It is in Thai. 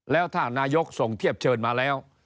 แล้วถ้านายกส่งเทียบเชิญมาแล้ว